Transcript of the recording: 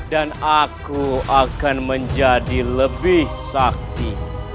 dan aku akan menjadi lebih sakti